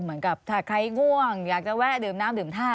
เหมือนกับถ้าใครง่วงอยากจะแวะดื่มน้ำดื่มท่า